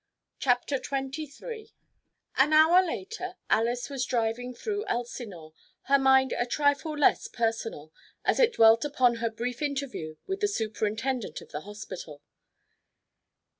CHAPTER XXIII An hour later, Alys was driving through Elsinore, her mind a trifle less personal, as it dwelt upon her brief interview with the superintendent of the hospital.